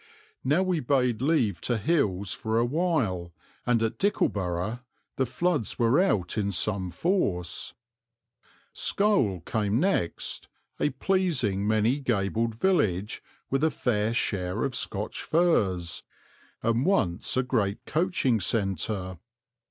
Now we bade leave to hills for a while, and at Dickleburgh the floods were out in some force. Scole came next, a pleasing many gabled village with a fair share of Scotch firs, and once a great coaching centre.